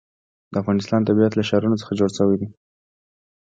د افغانستان طبیعت له ښارونه څخه جوړ شوی دی.